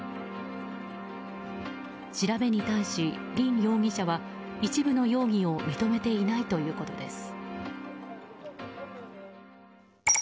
調べに対しリン容疑者は一部の容疑を認めていないということです。